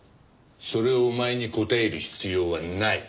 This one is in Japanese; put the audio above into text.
それをお前に答える必要はない。